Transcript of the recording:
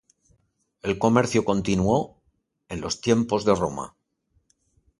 El comercio continuó en los tiempos de Roma.